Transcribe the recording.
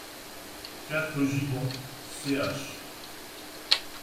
quatre Gibbon, ch.